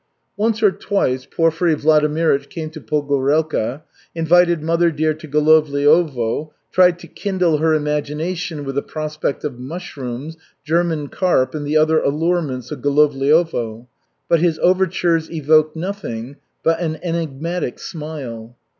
Once or twice Porfiry Vladimirych came to Pogorelka, invited mother dear to Golovliovo, tried to kindle her imagination with the prospect of mushrooms, German carp, and the other allurements of Golovliovo, but his overtures evoked nothing but an enigmatic smile.